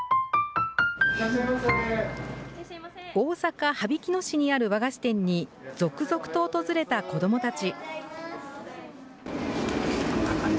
大阪・羽曳野市にある和菓子店に続々と訪れた子どもたち。